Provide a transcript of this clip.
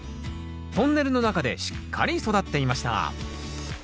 トンネルの中でしっかり育っていました。